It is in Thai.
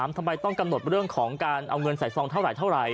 ทำไมต้องกำหนดเรื่องของการเอาเงินใส่ซองเท่าไหรเท่าไหร่